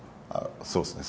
そうですね。